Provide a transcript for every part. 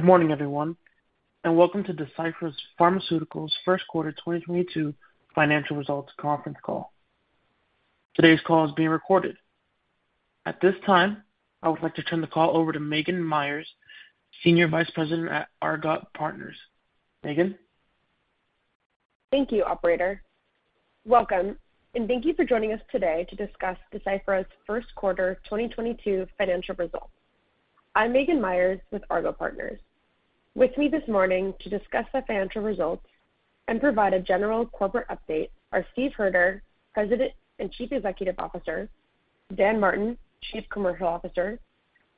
Good morning, everyone, and welcome to Deciphera Pharmaceuticals' first quarter 2022 financial results conference call. Today's call is being recorded. At this time, I would like to turn the call over to Maghan Meyers, Senior Vice President at Argot Partners. Meghan. Thank you, operator. Welcome, and thank you for joining us today to discuss Deciphera's first quarter 2022 financial results. I'm Maghan Meyers with Argot Partners. With me this morning to discuss the financial results and provide a general corporate update are Steve Hoerter, President and Chief Executive Officer, Dan Martin, Chief Commercial Officer,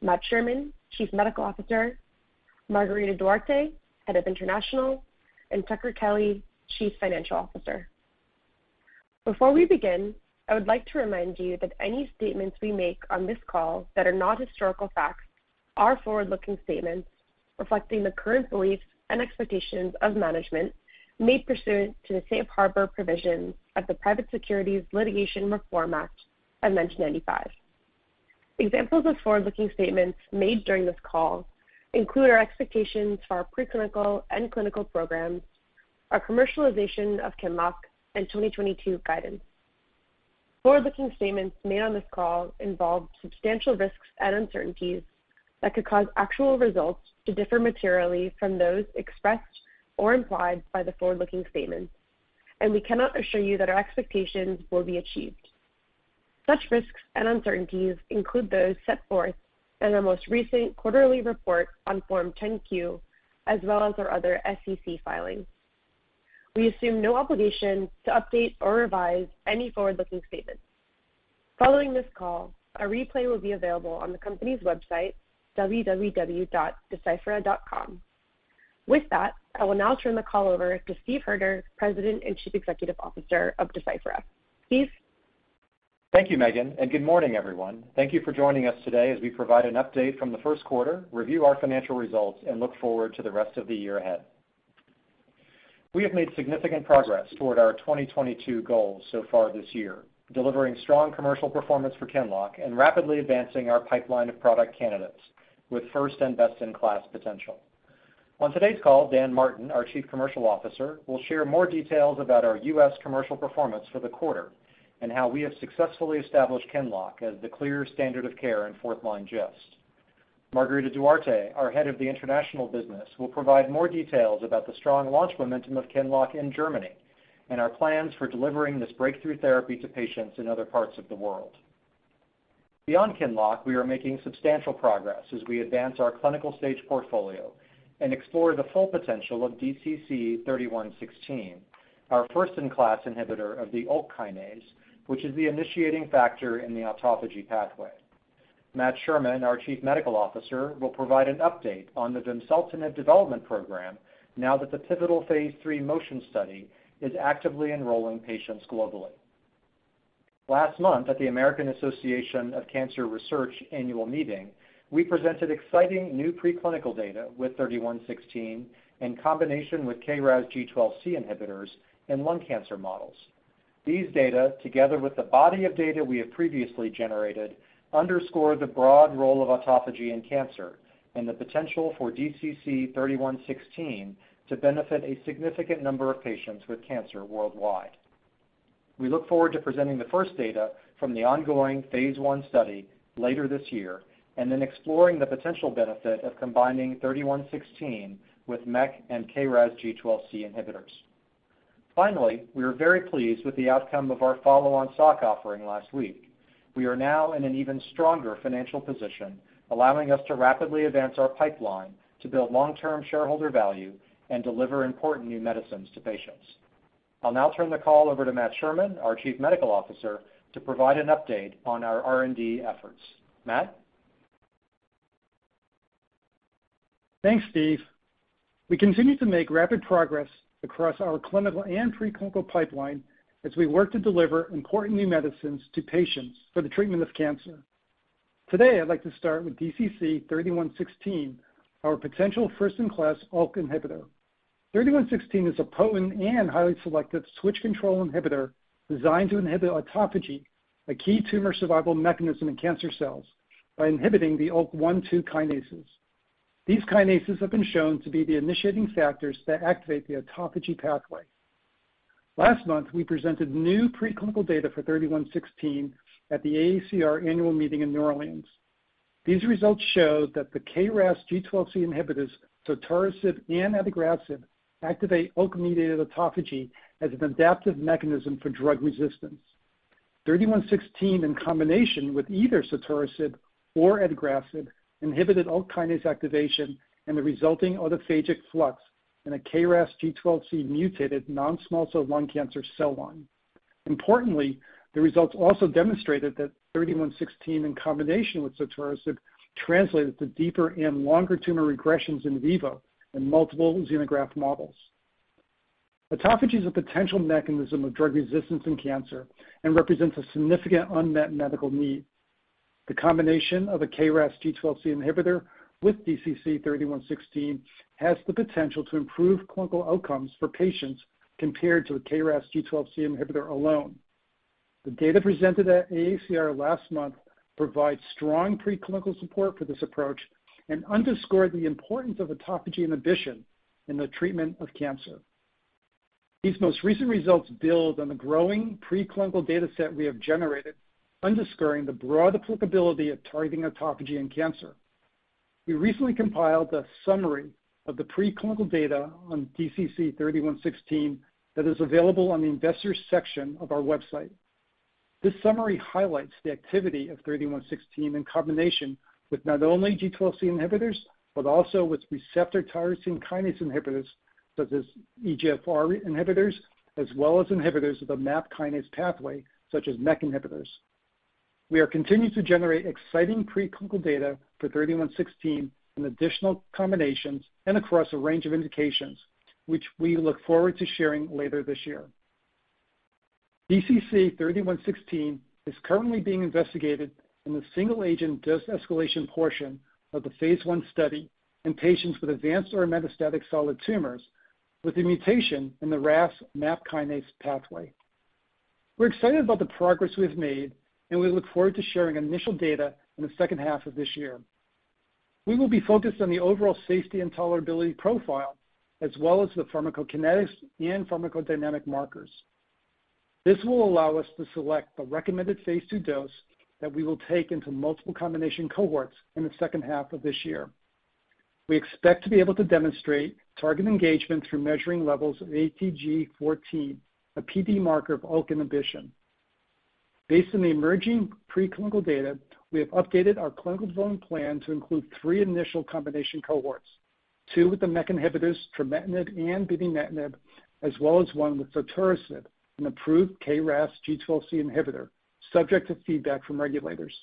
Matt Sherman, Chief Medical Officer, Margarida Duarte, Head of International, and Tucker Kelly, Chief Financial Officer. Before we begin, I would like to remind you that any statements we make on this call that are not historical facts are forward-looking statements reflecting the current beliefs and expectations of management made pursuant to the safe harbor provisions of the Private Securities Litigation Reform Act of 1995. Examples of forward-looking statements made during this call include our expectations for our preclinical and clinical programs, our commercialization of QINLOCK, and 2022 guidance. Forward-looking statements made on this call involve substantial risks and uncertainties that could cause actual results to differ materially from those expressed or implied by the forward-looking statements, and we cannot assure you that our expectations will be achieved. Such risks and uncertainties include those set forth in our most recent quarterly report on Form 10-Q, as well as our other SEC filings. We assume no obligation to update or revise any forward-looking statements. Following this call, a replay will be available on the company's website, www.deciphera.com. With that, I will now turn the call over to Steve Hoerter, President and Chief Executive Officer of Deciphera. Steve. Thank you, Meghan, and good morning, everyone. Thank you for joining us today as we provide an update from the first quarter, review our financial results, and look forward to the rest of the year ahead. We have made significant progress toward our 2022 goals so far this year, delivering strong commercial performance for QINLOCK and rapidly advancing our pipeline of product candidates with first and best-in-class potential. On today's call, Dan Martin, our Chief Commercial Officer, will share more details about our U.S. commercial performance for the quarter and how we have successfully established QINLOCK as the clear standard of care in fourth line GIST. Margarida Duarte, our Head of the International Business, will provide more details about the strong launch momentum of QINLOCK in Germany and our plans for delivering this breakthrough therapy to patients in other parts of the world. Beyond QINLOCK, we are making substantial progress as we advance our clinical stage portfolio and explore the full potential of DCC-3116, our first-in-class inhibitor of the ULK kinase, which is the initiating factor in the autophagy pathway. Matt Sherman, our Chief Medical Officer, will provide an update on the vimseltinib development program now that the pivotal phase III MOTION study is actively enrolling patients globally. Last month, at the American Association for Cancer Research annual meeting, we presented exciting new preclinical data with 3116 in combination with KRAS G12C inhibitors in lung cancer models. These data, together with the body of data we have previously generated, underscore the broad role of autophagy in cancer and the potential for DCC-3116 to benefit a significant number of patients with cancer worldwide. We look forward to presenting the first data from the ongoing phase I study later this year, and then exploring the potential benefit of combining DCC-3116 with MEK and KRAS G12C inhibitors. Finally, we are very pleased with the outcome of our follow-on stock offering last week. We are now in an even stronger financial position, allowing us to rapidly advance our pipeline to build long-term shareholder value and deliver important new medicines to patients. I'll now turn the call over to Matt Sherman, our Chief Medical Officer, to provide an update on our R&D efforts. Matt? Thanks, Steve. We continue to make rapid progress across our clinical and preclinical pipeline as we work to deliver important new medicines to patients for the treatment of cancer. Today, I'd like to start with DCC-3116, our potential first-in-class ULK inhibitor. 3116 is a potent and highly selective switch control inhibitor designed to inhibit autophagy, a key tumor survival mechanism in cancer cells, by inhibiting the ULK 1/2 kinases. These kinases have been shown to be the initiating factors that activate the autophagy pathway. Last month, we presented new preclinical data for 3116 at the AACR annual meeting in New Orleans. These results show that the KRAS G12C inhibitors, sotorasib and adagrasib, activate ULK-mediated autophagy as an adaptive mechanism for drug resistance. 3116, in combination with either sotorasib or adagrasib, inhibited ULK kinase activation and the resulting autophagic flux in a KRAS G12C mutated non-small cell lung cancer cell line. Importantly, the results also demonstrated that 3116 in combination with sotorasib translated to deeper and longer tumor regressions in vivo in multiple xenograft models. Autophagy is a potential mechanism of drug resistance in cancer and represents a significant unmet medical need. The combination of a KRAS G12C inhibitor with DCC-3116 has the potential to improve clinical outcomes for patients compared to the KRAS G12C inhibitor alone. The data presented at AACR last month provides strong preclinical support for this approach and underscored the importance of autophagy inhibition in the treatment of cancer. These most recent results build on the growing preclinical data set we have generated, underscoring the broad applicability of targeting autophagy in cancer. We recently compiled a summary of the preclinical data on DCC-3116 that is available on the investors section of our website. This summary highlights the activity of 3116 in combination with not only G12C inhibitors, but also with receptor tyrosine kinase inhibitors such as EGFR inhibitors, as well as inhibitors of the MAP kinase pathway, such as MEK inhibitors. We are continuing to generate exciting preclinical data for 3116 in additional combinations and across a range of indications, which we look forward to sharing later this year. DCC-3116 is currently being investigated in the single-agent dose escalation portion of the phase I study in patients with advanced or metastatic solid tumors with a mutation in the RAS MAP kinase pathway. We're excited about the progress we have made, and we look forward to sharing initial data in the second half of this year. We will be focused on the overall safety and tolerability profile, as well as the pharmacokinetics and pharmacodynamic markers. This will allow us to select the recommended phase II dose that we will take into multiple combination cohorts in the second half of this year. We expect to be able to demonstrate target engagement through measuring levels of ATG-14, a PD marker of ULK inhibition. Based on the emerging preclinical data, we have updated our clinical development plan to include three initial combination cohorts, two with the MEK inhibitors, trametinib and binimetinib, as well as one with adagrasib, an approved KRAS G12C inhibitor, subject to feedback from regulators.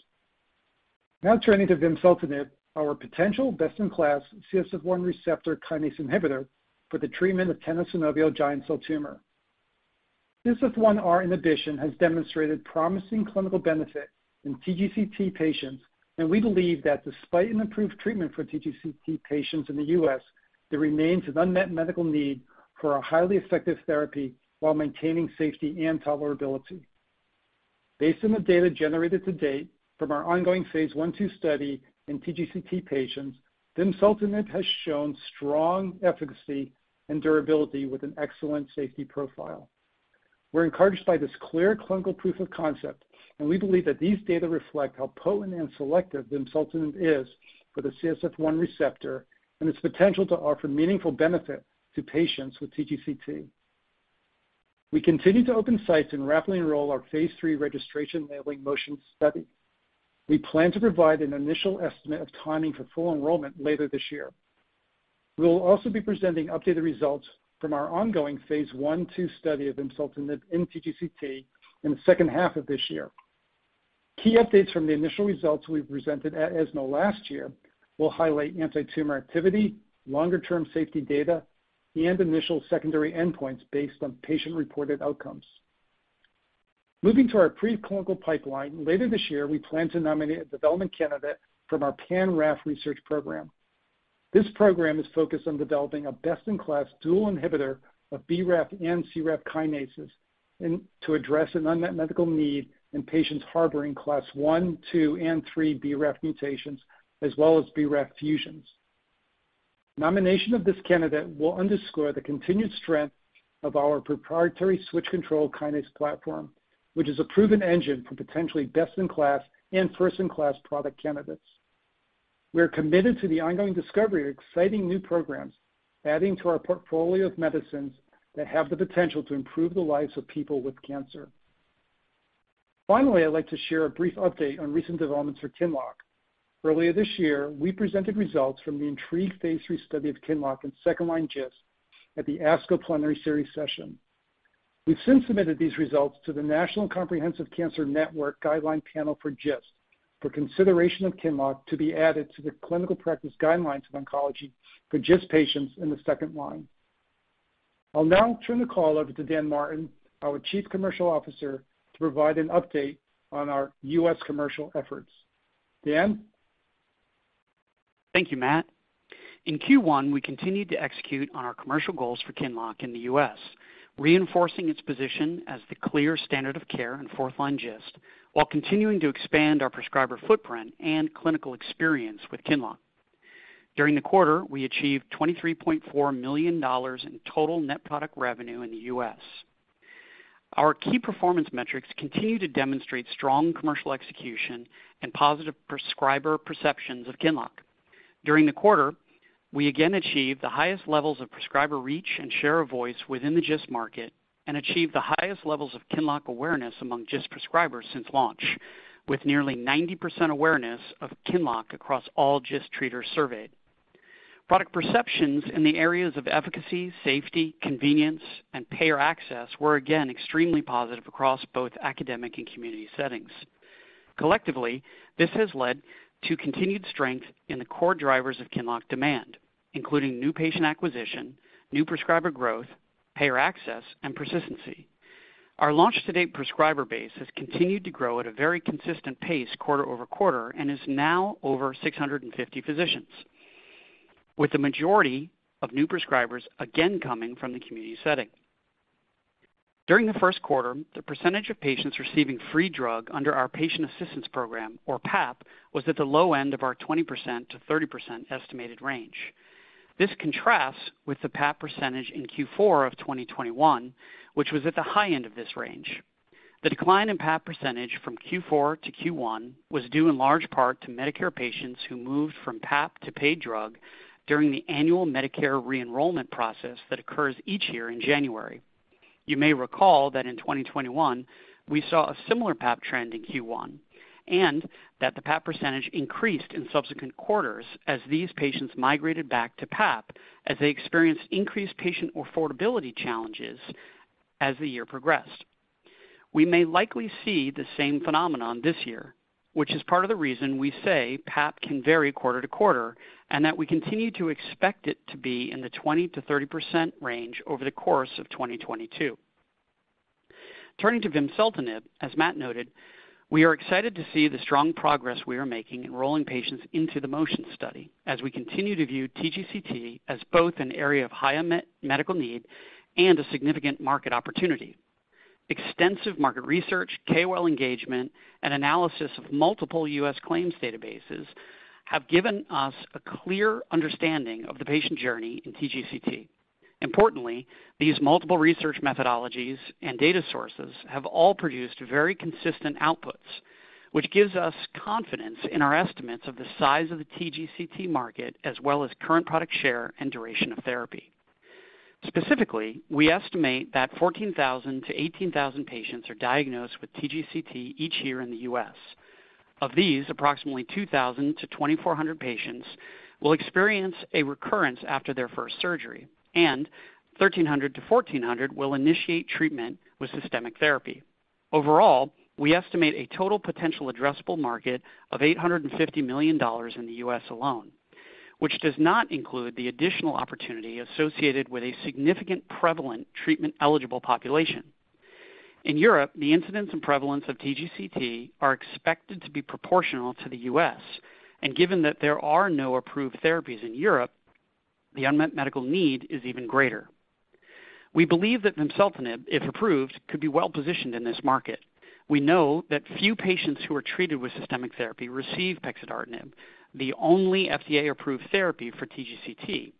Now turning to vimseltinib, our potential best-in-class CSF1 receptor kinase inhibitor for the treatment of tenosynovial giant cell tumor. CSF1R inhibition has demonstrated promising clinical benefit in TGCT patients, and we believe that despite an approved treatment for TGCT patients in the U.S., there remains an unmet medical need for a highly effective therapy while maintaining safety and tolerability. Based on the data generated to date from our ongoing phase I/II study in TGCT patients, vimseltinib has shown strong efficacy and durability with an excellent safety profile. We're encouraged by this clear clinical proof of concept, and we believe that these data reflect how potent and selective vimseltinib is for the CSF1R and its potential to offer meaningful benefit to patients with TGCT. We continue to open sites and rapidly enroll our phase III registration labeling MOTION study. We plan to provide an initial estimate of timing for full enrollment later this year. We will also be presenting updated results from our ongoing phase I/II study of vimseltinib in TGCT in the second half of this year. Key updates from the initial results we presented at ESMO last year will highlight antitumor activity, longer-term safety data, and initial secondary endpoints based on patient-reported outcomes. Moving to our preclinical pipeline, later this year, we plan to nominate a development candidate from our Pan-RAF research program. This program is focused on developing a best-in-class dual inhibitor of BRAF and CRAF kinases and to address an unmet medical need in patients harboring Class I, II, and III BRAF mutations, as well as BRAF fusions. Nomination of this candidate will underscore the continued strength of our proprietary switch control kinase platform, which is a proven engine for potentially best-in-class and first-in-class product candidates. We are committed to the ongoing discovery of exciting new programs, adding to our portfolio of medicines that have the potential to improve the lives of people with cancer. Finally, I'd like to share a brief update on recent developments for QINLOCK. Earlier this year, we presented results from the INTRIGUE phase III study of QINLOCK in second-line GIST at the ASCO Plenary Series session. We've since submitted these results to the National Comprehensive Cancer Network Guideline Panel for GIST for consideration of QINLOCK to be added to the clinical practice guidelines of oncology for GIST patients in the second line. I'll now turn the call over to Dan Martin, our Chief Commercial Officer, to provide an update on our U.S. commercial efforts. Dan? Thank you, Matt. In Q1, we continued to execute on our commercial goals for QINLOCK in the U.S., reinforcing its position as the clear standard of care in fourth-line GIST, while continuing to expand our prescriber footprint and clinical experience with QINLOCK. During the quarter, we achieved $23.4 million in total net product revenue in the U.S. Our key performance metrics continue to demonstrate strong commercial execution and positive prescriber perceptions of QINLOCK. During the quarter, we again achieved the highest levels of prescriber reach and share of voice within the GIST market and achieved the highest levels of QINLOCK awareness among GIST prescribers since launch, with nearly 90% awareness of QINLOCK across all GIST treaters surveyed. Product perceptions in the areas of efficacy, safety, convenience, and payer access were again extremely positive across both academic and community settings. Collectively, this has led to continued strength in the core drivers of QINLOCK demand, including new patient acquisition, new prescriber growth, payer access, and persistency. Our launch-to-date prescriber base has continued to grow at a very consistent pace quarter-over-quarter and is now over 650 physicians. With the majority of new prescribers again coming from the community setting. During the first quarter, the percentage of patients receiving free drug under our patient assistance program or PAP was at the low end of our 20%-30% estimated range. This contrasts with the PAP percentage in Q4 of 2021, which was at the high end of this range. The decline in PAP percentage from Q4 to Q1 was due in large part to Medicare patients who moved from PAP to paid drug during the annual Medicare re-enrollment process that occurs each year in January. You may recall that in 2021 we saw a similar PAP trend in Q1, and that the PAP percentage increased in subsequent quarters as these patients migrated back to PAP as they experienced increased patient affordability challenges as the year progressed. We may likely see the same phenomenon this year, which is part of the reason we say PAP can vary quarter-to-quarter, and that we continue to expect it to be in the 20%-30% range over the course of 2022. Turning to vimseltinib. As Matt noted, we are excited to see the strong progress we are making enrolling patients into the MOTION study as we continue to view TGCT as both an area of high medical need and a significant market opportunity. Extensive market research, KOL engagement and analysis of multiple U.S. claims databases have given us a clear understanding of the patient journey in TGCT. Importantly, these multiple research methodologies and data sources have all produced very consistent outputs, which gives us confidence in our estimates of the size of the TGCT market, as well as current product share and duration of therapy. Specifically, we estimate that 14,000 patients-18,000 patients are diagnosed with TGCT each year in the U.S. Of these, approximately 2,000 patients-2,400 patients will experience a recurrence after their first surgery, and 1,300 patients-1,400 patients will initiate treatment with systemic therapy. Overall, we estimate a total potential addressable market of $850 million in the U.S. alone, which does not include the additional opportunity associated with a significant prevalent treatment-eligible population. In Europe, the incidence and prevalence of TGCT are expected to be proportional to the U.S. and given that there are no approved therapies in Europe, the unmet medical need is even greater. We believe that Vimseltinib, if approved, could be well-positioned in this market. We know that few patients who are treated with systemic therapy receive Pexidartinib, the only FDA-approved therapy for TGCT.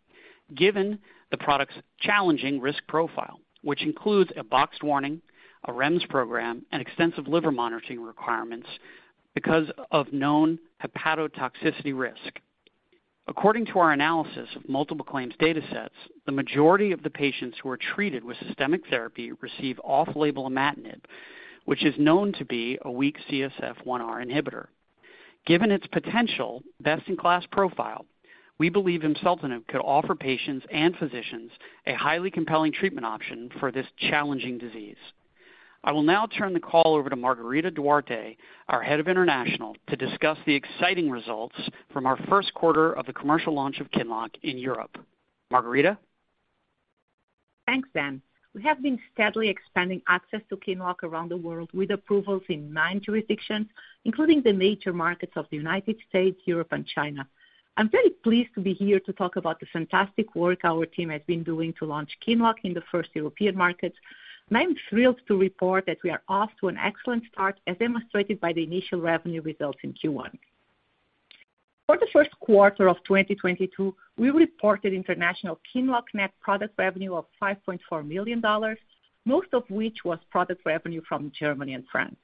Given the product's challenging risk profile, which includes a box warning, a REMS program, and extensive liver monitoring requirements because of known hepatotoxicity risk. According to our analysis of multiple claims datasets, the majority of the patients who are treated with systemic therapy receive off-label imatinib, which is known to be a weak CSF1R inhibitor. Given its potential best-in-class profile, we believe vimseltinib could offer patients and physicians a highly compelling treatment option for this challenging disease. I will now turn the call over to Margarida Duarte, our Head of International, to discuss the exciting results from our first quarter of the commercial launch of QINLOCK in Europe. Margarida. Thanks, Dan. We have been steadily expanding access to QINLOCK around the world with approvals in nine jurisdictions, including the major markets of the United States, Europe, and China. I'm very pleased to be here to talk about the fantastic work our team has been doing to launch QINLOCK in the first European markets, and I'm thrilled to report that we are off to an excellent start, as demonstrated by the initial revenue results in Q1. For the first quarter of 2022, we reported international QINLOCK net product revenue of $5.4 million, most of which was product revenue from Germany and France.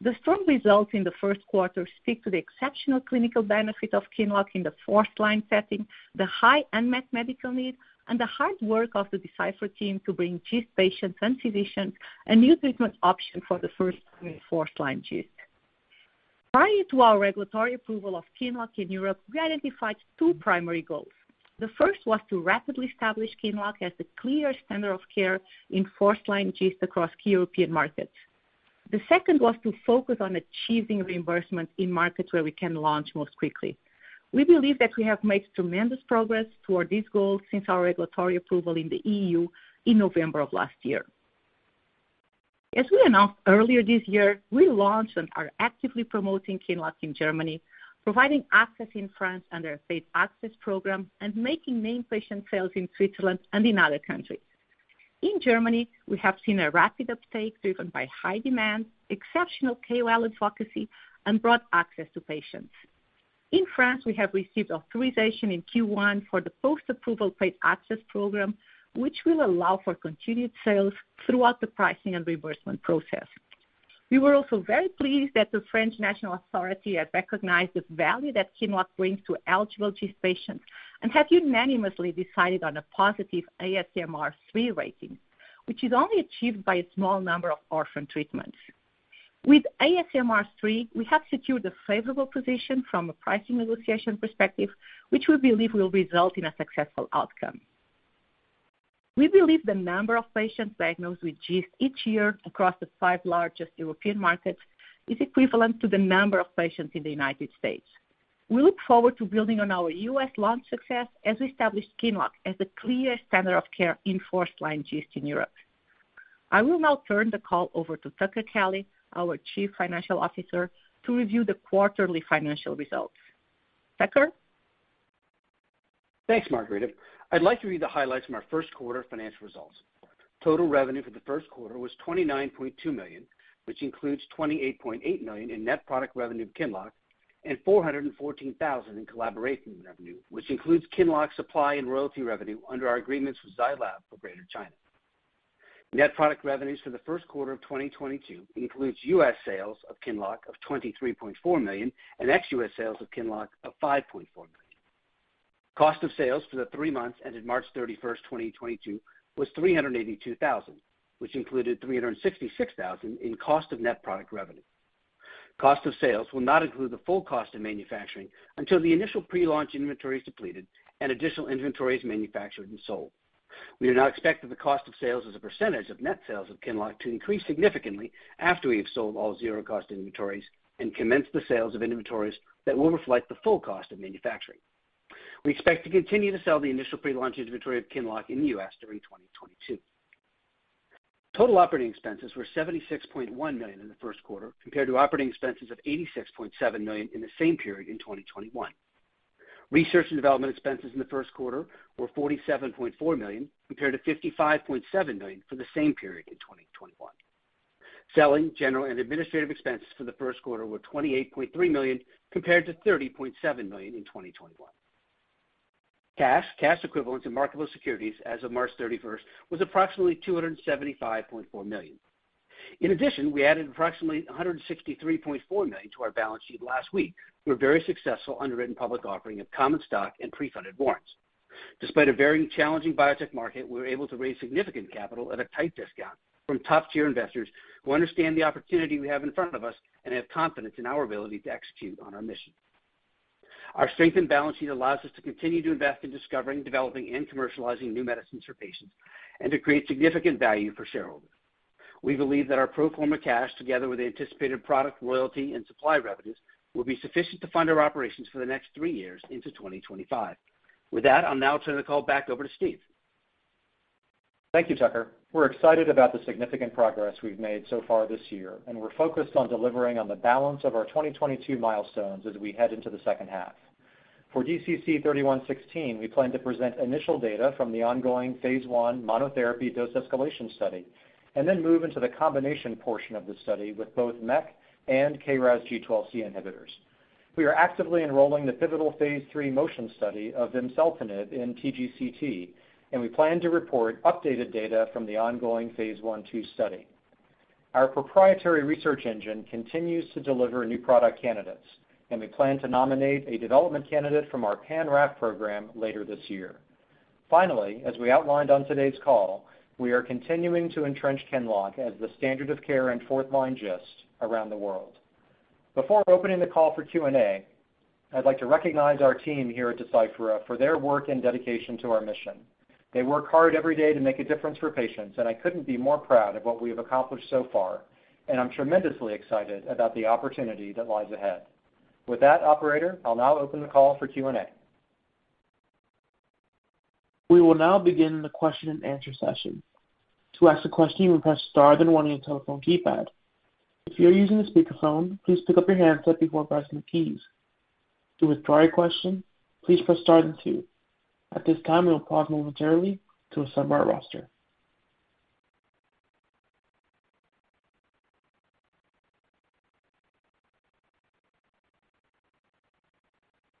The strong results in the first quarter speak to the exceptional clinical benefit of QINLOCK in the first line setting, the high unmet medical need, and the hard work of the Deciphera team to bring GIST patients and physicians a new treatment option for the first time in first-line GIST. Prior to our regulatory approval of QINLOCK in Europe, we identified two primary goals. The first was to rapidly establish QINLOCK as the clear standard of care in first-line GIST across key European markets. The second was to focus on achieving reimbursement in markets where we can launch most quickly. We believe that we have made tremendous progress toward these goals since our regulatory approval in the EU in November of last year. As we announced earlier this year, we launched and are actively promoting QINLOCK in Germany, providing access in France under a state access program, and making named patient sales in Switzerland and in other countries. In Germany, we have seen a rapid uptake driven by high demand, exceptional KOL advocacy, and broad access to patients. In France, we have received authorization in Q1 for the post-approval paid access program, which will allow for continued sales throughout the pricing and reimbursement process. We were also very pleased that the Haute Autorité de Santé had recognized the value that QINLOCK brings to eligible GIST patients and have unanimously decided on a positive ASMR three rating, which is only achieved by a small number of orphan treatments. With ASMR three, we have secured a favorable position from a pricing negotiation perspective, which we believe will result in a successful outcome. We believe the number of patients diagnosed with GIST each year across the five largest European markets is equivalent to the number of patients in the United States. We look forward to building on our U.S. launch success as we establish QINLOCK as the clearest standard of care in first-line GIST in Europe. I will now turn the call over to Tucker Kelly, our Chief Financial Officer, to review the quarterly financial results. Tucker? Thanks, Margarida. I'd like to read the highlights from our first quarter financial results. Total revenue for the first quarter was $29.2 million, which includes $28.8 million in net product revenue of QINLOCK and $414,000 in collaboration revenue, which includes QINLOCK supply and royalty revenue under our agreements with Zai Lab for Greater China. Net product revenues for the first quarter of 2022 includes U.S. sales of QINLOCK of $23.4 million and ex-U.S. sales of QINLOCK of $5.4 million. Cost of sales for the three months ended March 31st, 2022 was $382,000, which included $366,000 in cost of net product revenue. Cost of sales will not include the full cost of manufacturing until the initial pre-launch inventory is depleted and additional inventory is manufactured and sold. We now expect that the cost of sales as a percentage of net sales of QINLOCK to increase significantly after we have sold all zero cost inventories and commenced the sales of inventories that will reflect the full cost of manufacturing. We expect to continue to sell the initial pre-launch inventory of QINLOCK in the U.S. during 2022. Total operating expenses were $76.1 million in the first quarter, compared to operating expenses of $86.7 million in the same period in 2021. Research and development expenses in the first quarter were $47.4 million, compared to $55.7 million for the same period in 2021. Selling, general and administrative expenses for the first quarter were $28.3 million, compared to $30.7 million in 2021. Cash and cash equivalents and marketable securities as of March 31st was approximately $275.4 million. In addition, we added approximately $163.4 million to our balance sheet last week. We had a very successful underwritten public offering of common stock and pre-funded warrants. Despite a very challenging biotech market, we were able to raise significant capital at a tight discount from top-tier investors who understand the opportunity we have in front of us and have confidence in our ability to execute on our mission. Our strengthened balance sheet allows us to continue to invest in discovering, developing and commercializing new medicines for patients and to create significant value for shareholders. We believe that our pro forma cash, together with the anticipated product royalty and supply revenues, will be sufficient to fund our operations for the next three years into 2025. With that, I'll now turn the call back over to Steve. Thank you, Tucker. We're excited about the significant progress we've made so far this year, and we're focused on delivering on the balance of our 2022 milestones as we head into the second half. For DCC-3116, we plan to present initial data from the ongoing phase I monotherapy dose escalation study and then move into the combination portion of the study with both MEK and KRAS G12C inhibitors. We are actively enrolling the pivotal phase III MOTION study of vimseltinib in TGCT, and we plan to report updated data from the ongoing phase I/II study. Our proprietary research engine continues to deliver new product candidates, and we plan to nominate a development candidate from our pan-RAF program later this year. Finally, as we outlined on today's call, we are continuing to entrench QINLOCK as the standard of care in fourth-line GIST around the world. Before opening the call for Q&A, I'd like to recognize our team here at Deciphera for their work and dedication to our mission. They work hard every day to make a difference for patients, and I couldn't be more proud of what we have accomplished so far, and I'm tremendously excited about the opportunity that lies ahead. With that, Operator, I'll now open the call for Q&A. We will now begin the question and answer session. To ask a question, press star then one on your telephone keypad. If you're using a speakerphone, please pick up your handset before pressing the keys. To withdraw your question, please press star then two. At this time, we will pause momentarily to assemble our roster.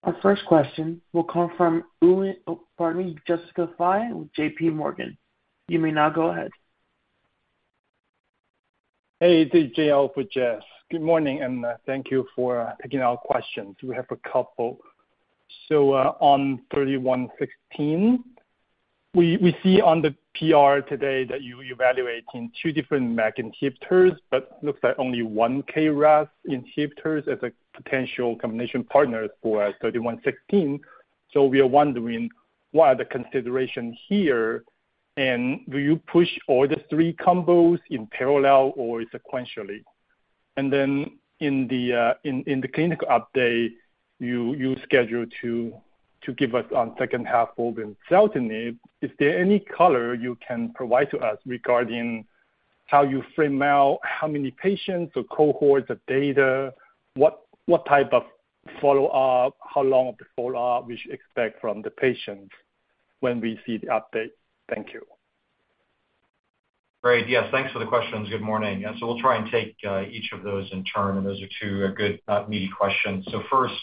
Our first question will come from Jessica Fye with JPMorgan. You may now go ahead. Hey, this is JL for Jess. Good morning and thank you for taking our questions. We have a couple. On 3116, we see on the PR today that you're evaluating two different MEK inhibitors, but looks like only one KRAS inhibitors as a potential combination partner for 3116. We are wondering what are the consideration here, and will you push all the three combos in parallel or sequentially? In the clinical update you schedule to give us on second half for the vimseltinib, is there any color you can provide to us regarding how you frame out, how many patients or cohorts of data, what type of follow-up, how long of the follow-up we should expect from the patients when we see the update? Thank you. Great. Yes, thanks for the questions. Good morning. We'll try and take each of those in turn. Those are two good meaty questions. First,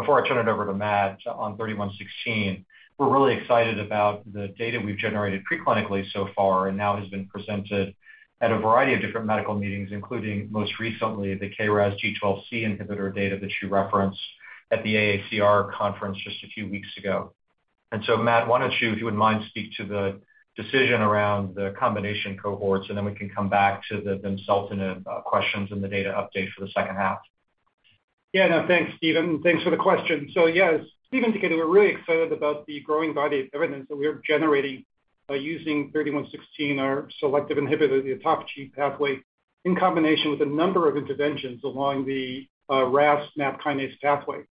before I turn it over to Matt on DCC-3116, we're really excited about the data we've generated preclinically so far and now has been presented at a variety of different medical meetings, including most recently the KRAS G12C inhibitor data that you referenced at the AACR conference just a few weeks ago. Matt, why don't you, if you wouldn't mind, speak to the decision around the combination cohorts, and then we can come back to the vimseltinib questions and the data update for the second half. Yeah. No, thanks, Steve. Thanks for the question. Yes, as Steve indicated, we're really excited about the growing body of evidence that we are generating by using 3116, our selective inhibitor of the ULK pathway, in combination with a number of interventions along the RAS/MAP kinase pathway.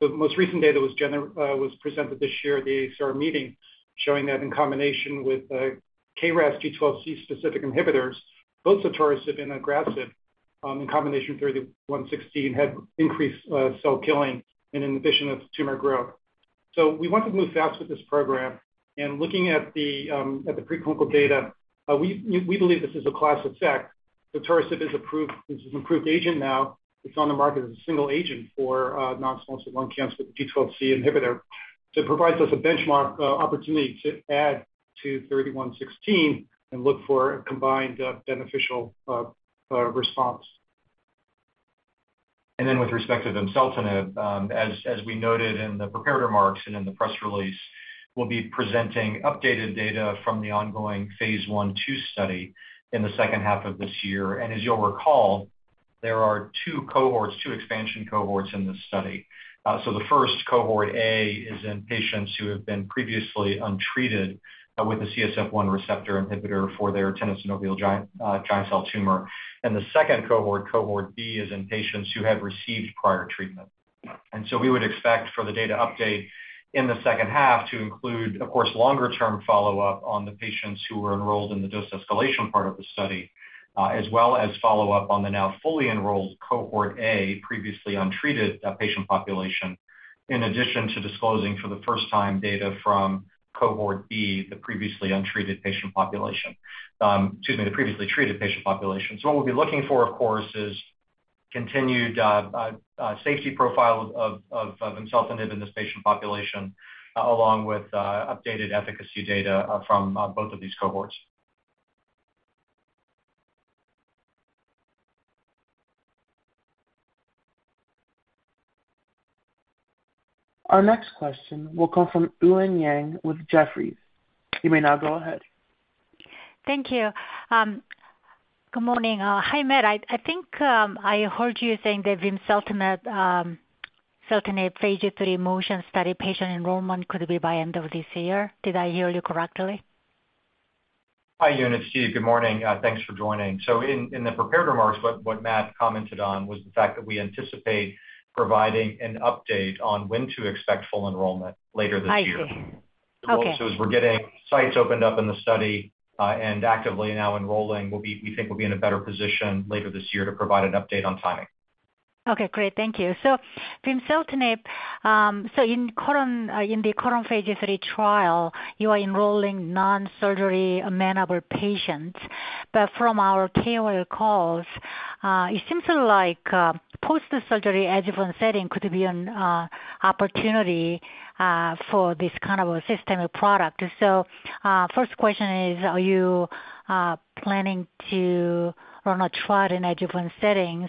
The most recent data was presented this year at the AACR meeting, showing that in combination with KRAS G12C specific inhibitors, both sotorasib and adagrasib, in combination with 3116 had increased cell killing and inhibition of tumor growth. We want to move fast with this program, and looking at the preclinical data, we believe this is a class effect. Sotorasib is approved. This is an approved agent now. It's on the market as a single agent for non-small cell lung cancer G12C inhibitor. It provides us a benchmark opportunity to add to 3116 and look for a combined beneficial response. With respect to vimseltinib, as we noted in the prepared remarks and in the press release, we'll be presenting updated data from the ongoing phase I/II study in the second half of this year. As you'll recall, there are two cohorts, two expansion cohorts in this study. The first cohort A is in patients who have been previously untreated with the CSF1R inhibitor for their tenosynovial giant cell tumor. The second cohort B, is in patients who have received prior treatment. We would expect for the data update in the second half to include, of course, longer term follow-up on the patients who were enrolled in the dose escalation part of the study, as well as follow-up on the now fully enrolled cohort A, previously untreated patient population, in addition to disclosing for the first time data from cohort B, the previously untreated patient population. Excuse me, the previously treated patient population. What we'll be looking for, of course, is continued safety profile of vimseltinib in this patient population, along with updated efficacy data from both of these cohorts. Our next question will come from Eun Yang with Jefferies. You may now go ahead. Thank you. Good morning. Hi, Matt. I think I heard you saying that vimseltinib phase III MOTION study patient enrollment could be by end of this year. Did I hear you correctly? Hi, Eun. It's Steve. Good morning. Thanks for joining. In the prepared remarks, what Matt commented on was the fact that we anticipate providing an update on when to expect full enrollment later this year. I see. Okay. As we're getting sites opened up in the study, and actively now enrolling, we think we'll be in a better position later this year to provide an update on timing. Okay, great. Thank you. Vimseltinib, in the current phase III trial, you are enrolling non-surgery amenable patients. From our KOL recalls, it seems like post-surgery adjuvant setting could be an opportunity for this kind of a systemic product. First question is, are you planning to run a trial in adjuvant settings?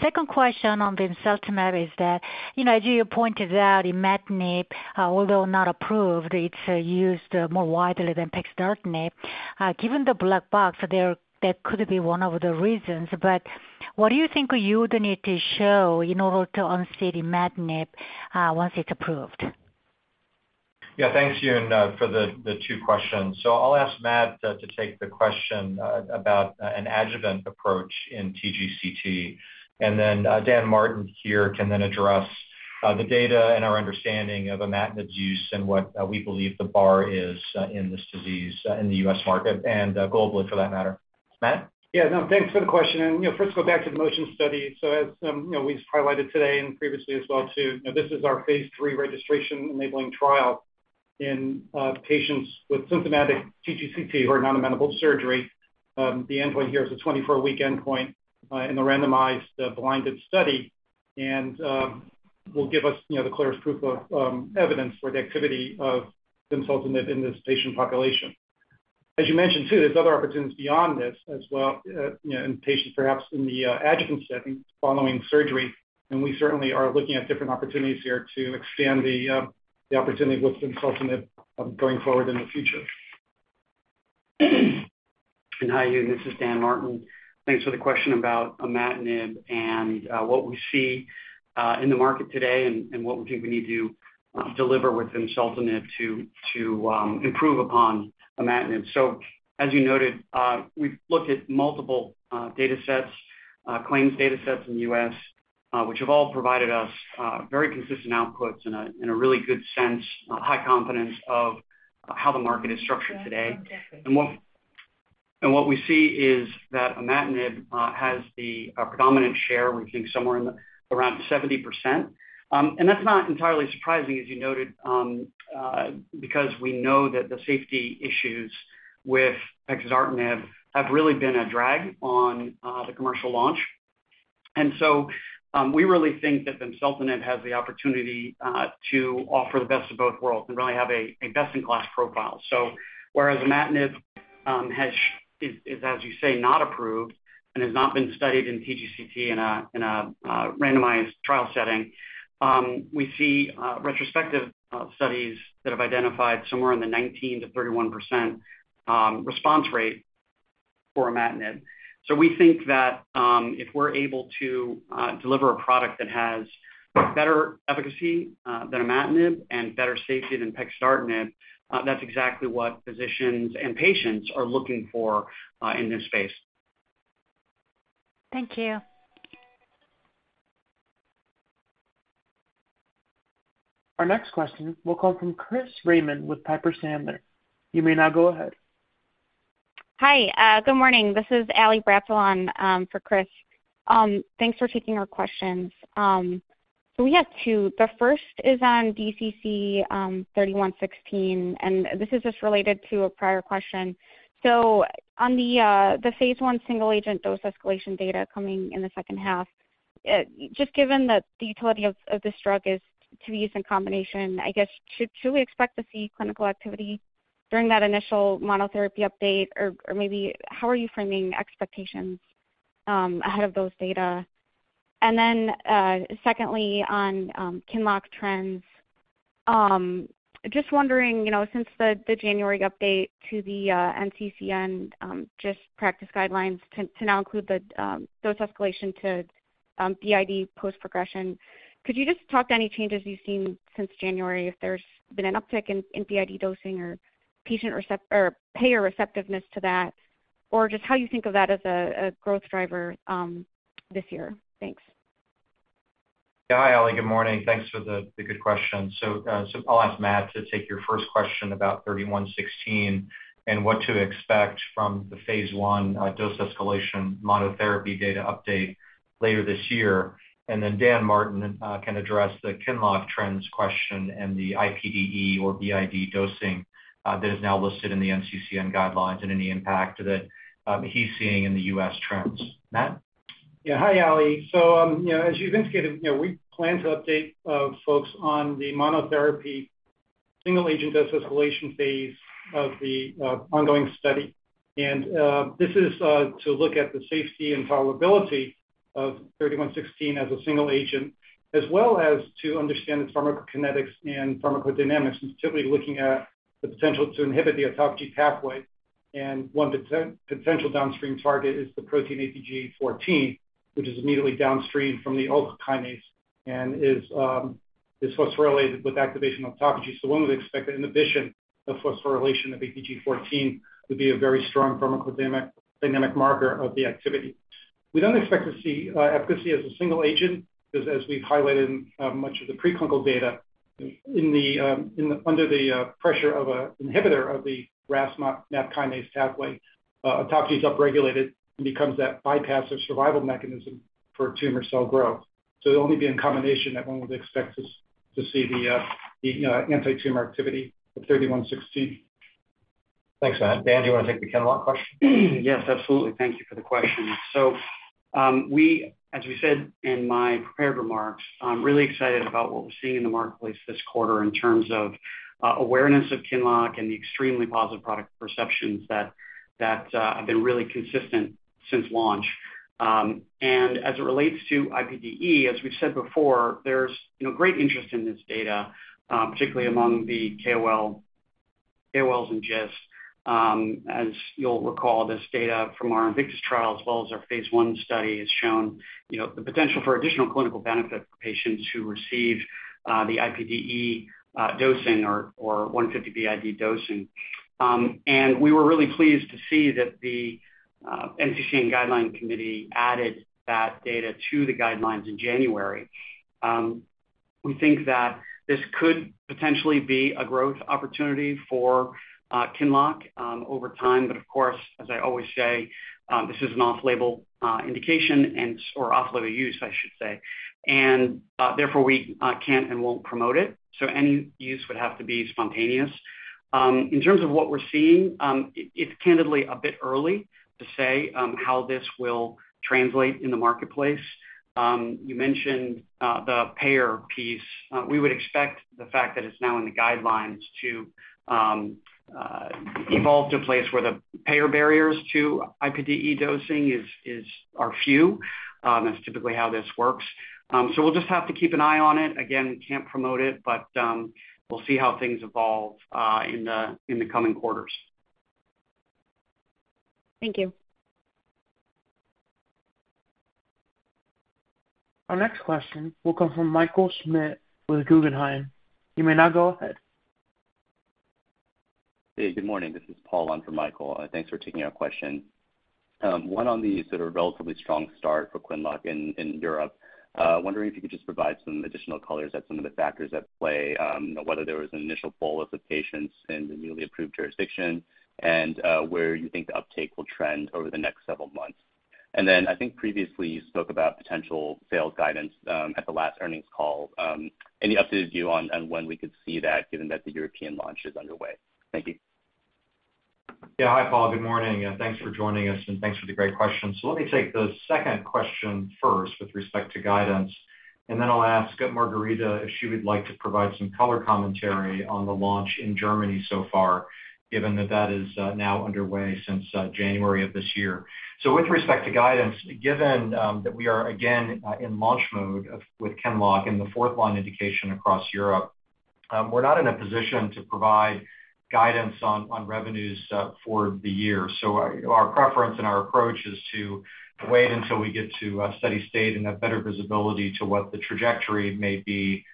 Second question on vimseltinib is that, you know, as you pointed out, imatinib, although not approved, it's used more widely than axitinib. Given the black box there, that could be one of the reasons, but what do you think you would need to show in order to unseat imatinib, once it's approved? Yeah, thanks, Eun, for the two questions. I'll ask Matt to take the question about an adjuvant approach in TGCT. Daniel Martin here can then address the data and our understanding of imatinib's use and what we believe the bar is in this disease in the U.S. market and globally for that matter. Matt? Yeah. No, thanks for the question. You know, first go back to the MOTION study. As you know, we've highlighted today and previously as well too, you know, this is our phase III registration-enabling trial in patients with symptomatic TGCT who are non-amenable to surgery. The endpoint here is a 24-week endpoint in the randomized, blinded study, and will give us, you know, the clearest proof of evidence for the activity of vimseltinib in this patient population. As you mentioned too, there's other opportunities beyond this as well, you know, in patients perhaps in the adjuvant setting following surgery. We certainly are looking at different opportunities here to expand the opportunity with vimseltinib going forward in the future. Hi, Eun. This is Dan Martin. Thanks for the question about imatinib and what we see in the market today and what we think we need to deliver with vimseltinib to improve upon imatinib. As you noted, we've looked at multiple claims data sets in the U.S., which have all provided us very consistent outputs and a really good sense, high confidence of how the market is structured today. What we see is that imatinib has a predominant share, we think somewhere around 70%. That's not entirely surprising, as you noted, because we know that the safety issues with pexidartinib have really been a drag on the commercial launch. We really think that vimseltinib has the opportunity to offer the best of both worlds and really have a best-in-class profile. Whereas imatinib is, as you say, not approved and has not been studied in TGCT in a randomized trial setting, we see retrospective studies that have identified somewhere in the 19%-31% response rate for imatinib. We think that if we're able to deliver a product that has better efficacy than imatinib and better safety than axitinib, that's exactly what physicians and patients are looking for in this space. Thank you. Our next question will come from Chris Raymond with Piper Sandler. You may now go ahead. Hi, good morning. This is Allison Bratzel for Chris. Thanks for taking our questions. We have two. The first is on DCC-3116, and this is just related to a prior question. On the phase I single agent dose escalation data coming in the second half, just given that the utility of this drug is to be used in combination, I guess, should we expect to see clinical activity during that initial monotherapy update? Or maybe how are you framing expectations ahead of those data? Secondly, on QINLOCK trends, just wondering, you know, since the January update to the NCCN practice guidelines to now include the dose escalation to BID post progression, could you just talk to any changes you've seen since January, if there's been an uptick in BID dosing or payer receptiveness to that, or just how you think of that as a growth driver this year? Thanks. Yeah. Hi, Ally. Good morning. Thanks for the good question. I'll ask Matt to take your first question about DCC-3116 and what to expect from the phase I dose escalation monotherapy data update later this year. Daniel Martin can address the QINLOCK trends question and the QID or BID dosing that is now listed in the NCCN guidelines and any impact that he's seeing in the U.S. trends. Matt? Yeah. Hi, Ally. You know, as you've indicated, you know, we plan to update folks on the monotherapy single agent dose escalation phase of the ongoing study. This is to look at the safety and tolerability of DCC-3116 as a single agent, as well as to understand the pharmacokinetics and pharmacodynamics, and particularly looking at the potential to inhibit the autophagy pathway. One potential downstream target is the protein ATG-14, which is immediately downstream from the ULK kinase and is phosphorylated with activation autophagy. One would expect that inhibition of phosphorylation of ATG-14 would be a very strong pharmacodynamic marker of the activity. We don't expect to see efficacy as a single agent 'cause as we've highlighted in much of the preclinical data, under the pressure of an inhibitor of the RAS/MAP kinase pathway, autophagy is upregulated and becomes that bypass or survival mechanism for tumor cell growth. It'll only be in combination that one would expect to see the antitumor activity of DCC-3116. Thanks, Matt. Dan, do you wanna take the QINLOCK question? Yes, absolutely. Thank you for the question. As we said in my prepared remarks, I'm really excited about what we're seeing in the marketplace this quarter in terms of awareness of QINLOCK and the extremely positive product perceptions that have been really consistent since launch. As it relates to IPDE, as we've said before, there's you know great interest in this data, particularly among the KOLs and GISTs. As you'll recall, this data from our INVICTUS trial as well as our phase I study has shown you know the potential for additional clinical benefit for patients who receive the IPDE dosing or 150 BID dosing. We were really pleased to see that the NCCN guideline committee added that data to the guidelines in January. We think that this could potentially be a growth opportunity for QINLOCK over time, but of course, as I always say, this is an off-label use, I should say, and therefore we can't and won't promote it, so any use would have to be spontaneous. In terms of what we're seeing, it's candidly a bit early to say how this will translate in the marketplace. You mentioned the payer piece. We would expect the fact that it's now in the guidelines to evolve to a place where the payer barriers to QD dosing are few. That's typically how this works. We'll just have to keep an eye on it. Again, can't promote it, but we'll see how things evolve in the coming quarters. Thank you. Our next question will come from Michael Schmidt with Guggenheim. You may now go ahead. Hey, good morning. This is Paul on for Michael. Thanks for taking our question. One on the sort of relatively strong start for QINLOCK in Europe. Wondering if you could just provide some additional color on some of the factors at play, whether there was an initial pool of the patients in the newly approved jurisdiction and where you think the uptake will trend over the next several months. I think previously you spoke about potential sales guidance at the last earnings call. Any updated view on when we could see that given that the European launch is underway? Thank you. Yeah. Hi, Paul. Good morning, and thanks for joining us, and thanks for the great question. Let me take the second question first with respect to guidance, and then I'll ask Margarida if she would like to provide some color commentary on the launch in Germany so far, given that that is now underway since January of this year. With respect to guidance, given that we are again in launch mode with QINLOCK in the fourth line indication across Europe, we're not in a position to provide guidance on revenues for the year. Our preference and our approach is to wait until we get to a steady state and have better visibility to what the trajectory may be,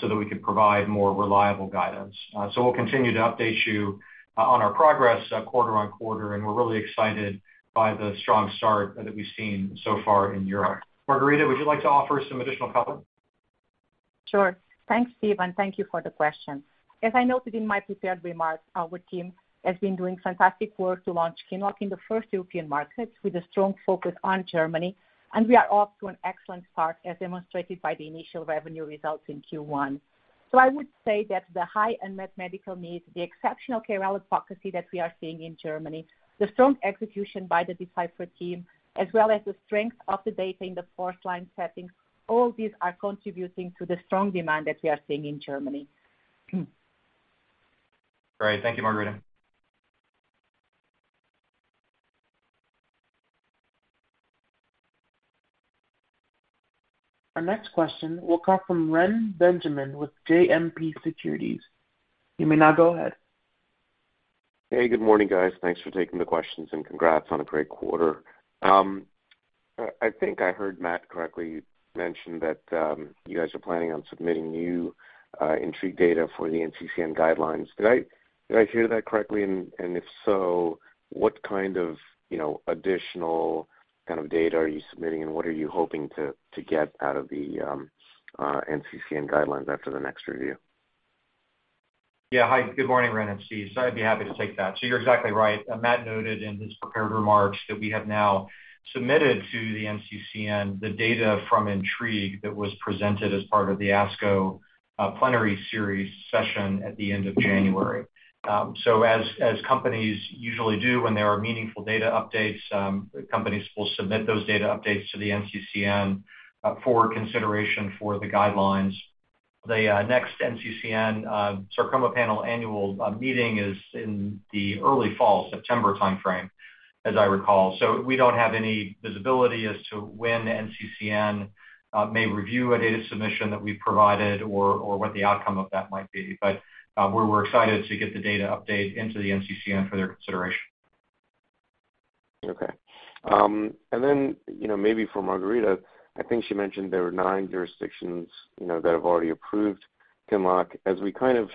so that we can provide more reliable guidance. We'll continue to update you on our progress quarter-over-quarter, and we're really excited by the strong start that we've seen so far in Europe. Margarida, would you like to offer some additional color? Sure. Thanks, Steve, and thank you for the question. As I noted in my prepared remarks, our team has been doing fantastic work to launch QINLOCK in the first European markets with a strong focus on Germany, and we are off to an excellent start as demonstrated by the initial revenue results in Q1. I would say that the high unmet medical needs, the exceptional KOL advocacy that we are seeing in Germany, the strong execution by the Deciphera team, as well as the strength of the data in the first line settings, all these are contributing to the strong demand that we are seeing in Germany. Great. Thank you, Margarida. Our next question will come from Reni Benjamin with JMP Securities. You may now go ahead. Hey, good morning, guys. Thanks for taking the questions and congrats on a great quarter. I think I heard Matt correctly mention that you guys are planning on submitting new INTRIGUE data for the NCCN guidelines. Did I hear that correctly? And if so, what kind of, you know, additional kind of data are you submitting, and what are you hoping to get out of the NCCN guidelines after the next review? Yeah. Hi. Good morning, Ren. It's Steve. I'd be happy to take that. You're exactly right. Matt noted in his prepared remarks that we have now submitted to the NCCN the data from INTRIGUE that was presented as part of the ASCO plenary series session at the end of January. As companies usually do when there are meaningful data updates, companies will submit those data updates to the NCCN for consideration for the guidelines. The next NCCN sarcoma panel annual meeting is in the early fall, September timeframe, as I recall. We don't have any visibility as to when NCCN may review a data submission that we provided or what the outcome of that might be. But we're excited to get the data update into the NCCN for their consideration. Okay. Then, you know, maybe for Margarida, I think she mentioned there were nine jurisdictions, you know, that have already approved QINLOCK. As we kind of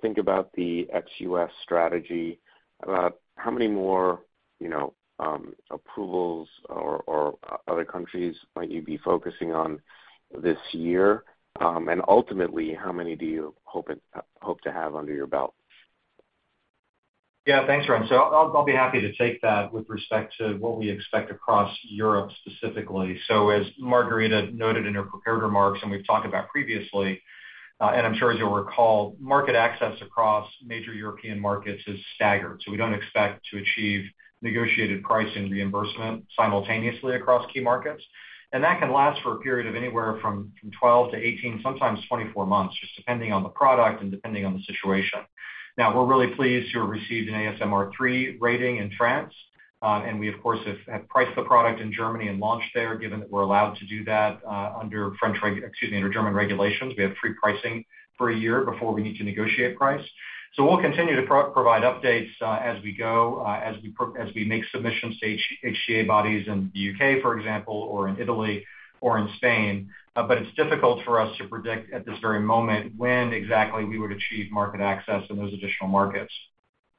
think about the ex-U.S. strategy, about how many more, you know, approvals or other countries might you be focusing on this year? Ultimately, how many do you hope to have under your belt? Yeah. Thanks, Ren. I'll be happy to take that with respect to what we expect across Europe specifically. As Margarita noted in her prepared remarks, and we've talked about previously, and I'm sure as you'll recall, market access across major European markets is staggered. We don't expect to achieve negotiated pricing reimbursement simultaneously across key markets. That can last for a period of anywhere from 12 months-18 months, sometimes 24 months, just depending on the product and depending on the situation. Now we're really pleased to have received an ASMR 3 rating in France, and we of course have priced the product in Germany and launched there, given that we're allowed to do that under German regulations. We have free pricing for a year before we need to negotiate price. We'll continue to provide updates as we go as we make submissions to HTA bodies in the U.K., for example, or in Italy or in Spain. It's difficult for us to predict at this very moment when exactly we would achieve market access in those additional markets.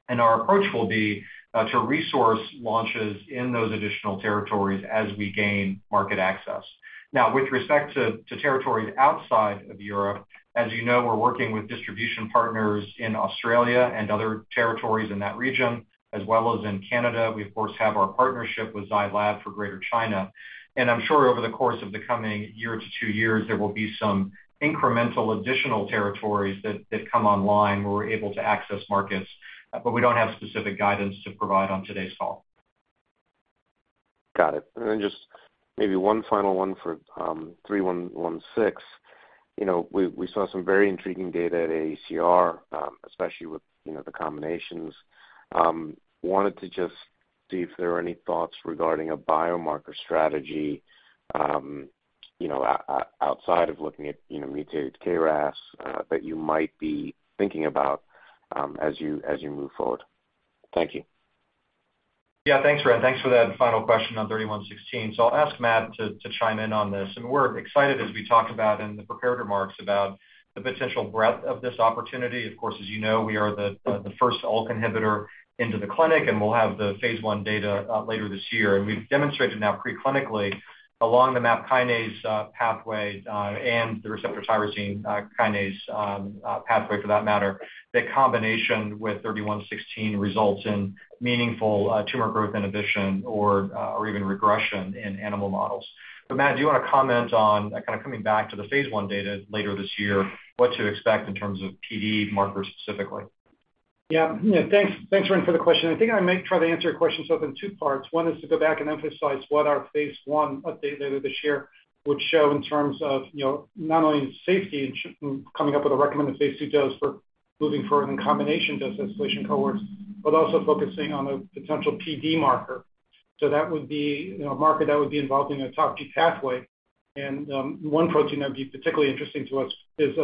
Our approach will be to resource launches in those additional territories as we gain market access. Now with respect to territories outside of Europe, as you know, we're working with distribution partners in Australia and other territories in that region, as well as in Canada. We of course have our partnership with Zai Lab for Greater China. I'm sure over the course of the coming year to two years, there will be some incremental additional territories that come online where we're able to access markets, but we don't have specific guidance to provide on today's call. Got it. Just maybe one final one for 3116. You know, we saw some very intriguing data at AACR, especially with, you know, the combinations. Wanted to just see if there are any thoughts regarding a biomarker strategy, you know, outside of looking at, you know, mutated KRAS, that you might be thinking about, as you move forward. Thank you. Yeah. Thanks, Ren. Thanks for that final question on DCC-3116. I'll ask Matt to chime in on this. We're excited as we talked about in the prepared remarks about the potential breadth of this opportunity. Of course, as you know, we are the first ULK inhibitor into the clinic, and we'll have the phase I data later this year. We've demonstrated now preclinically along the MAP kinase pathway and the receptor tyrosine kinase pathway for that matter, the combination with DCC-3116 results in meaningful tumor growth inhibition or even regression in animal models. Matt, do you wanna comment on kind of coming back to the phase I data later this year, what to expect in terms of PD markers specifically? Yeah. Thanks, Ren, for the question. I think I might try to answer your question, so I'll open two parts. One is to go back and emphasize what our phase I update later this year would show in terms of, you know, not only safety and coming up with a recommended phase II dose for moving forward in combination dose escalation cohorts, but also focusing on a potential PD marker. That would be, you know, a marker that would be involved in autophagy pathway. One protein that would be particularly interesting to us is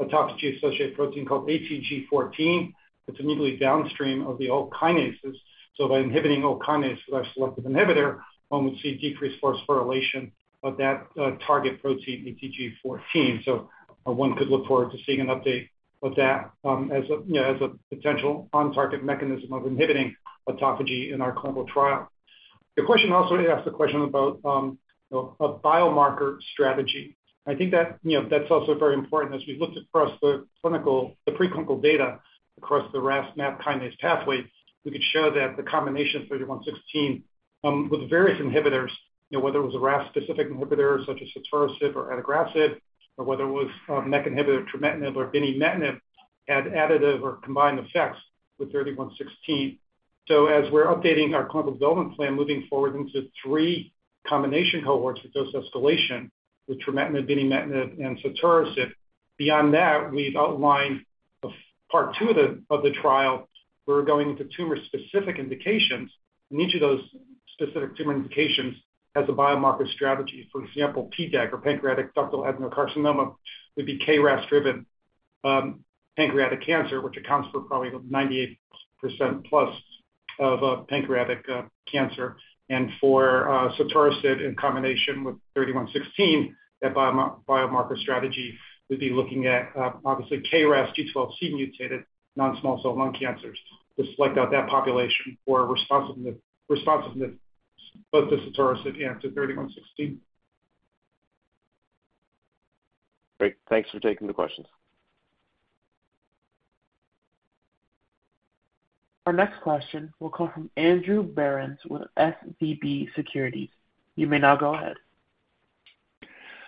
autophagy-associated protein called ATG-14. It's immediately downstream of the ULK kinases. By inhibiting ULK kinases with our selective inhibitor, one would see decreased phosphorylation of that target protein, ATG-14. One could look forward to seeing an update of that, as a, you know, as a potential on target mechanism of inhibiting autophagy in our clinical trial. The question also asked a question about, you know, a biomarker strategy. I think that, you know, that's also very important as we've looked across the preclinical data. Across the RAS/MAP kinase pathway, we could show that the combination 3116 with various inhibitors, you know, whether it was a RAS-specific inhibitor such as sotorasib or adagrasib, or whether it was a MEK inhibitor, trametinib or binimetinib, had additive or combined effects with 3116. As we're updating our clinical development plan moving forward into three combination cohorts with dose escalation with trametinib, binimetinib, and sotorasib. Beyond that, we've outlined part two of the trial. We're going into tumor-specific indications, and each of those specific tumor indications has a biomarker strategy. For example, PDAC or pancreatic ductal adenocarcinoma would be KRAS-driven pancreatic cancer, which accounts for probably 98%+ of pancreatic cancer. For sotorasib in combination with 3116, that biomarker strategy would be looking at obviously KRAS G12C mutated non-small cell lung cancers to select out that population for responsiveness to both the sotorasib and to 3116. Great. Thanks for taking the questions. Our next question will come from Andrew Berens with SVB Securities. You may now go ahead.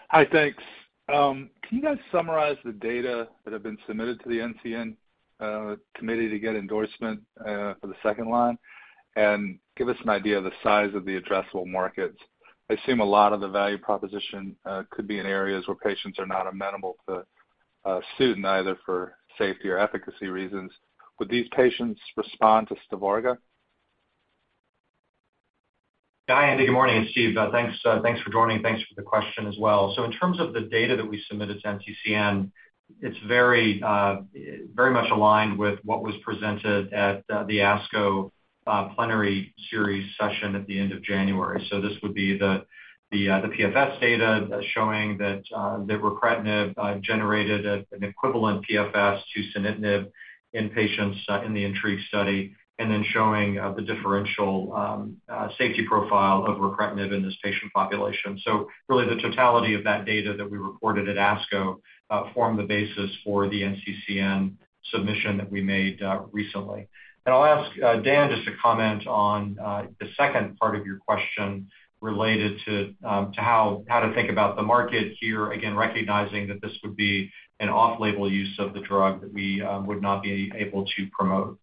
Hi. Thanks. Can you guys summarize the data that have been submitted to the NCCN committee to get endorsement for the second line? Give us an idea of the size of the addressable markets. I assume a lot of the value proposition could be in areas where patients are not amenable to Sutent either for safety or efficacy reasons. Would these patients respond to Stivarga? Hi, Andy. Good morning. It's Steve. Thanks for joining. Thanks for the question as well. In terms of the data that we submitted to NCCN, it's very much aligned with what was presented at the ASCO plenary series session at the end of January. This would be the PFS data showing that ripretinib generated an equivalent PFS to sunitinib in patients in the INTRIGUE study, and then showing the differential safety profile of ripretinib in this patient population. Really the totality of that data that we reported at ASCO formed the basis for the NCCN submission that we made recently. I'll ask Dan just to comment on the second part of your question related to how to think about the market here. Again, recognizing that this would be an off-label use of the drug that we would not be able to promote.